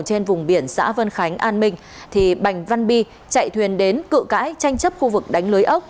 trên vùng biển xã vân khánh an minh thì bành văn bi chạy thuyền đến cự cãi tranh chấp khu vực đánh lưới ốc